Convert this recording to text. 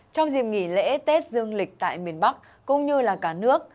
trong dịp nghỉ lễ tết dương lịch tại miền bắc cũng như là cả nước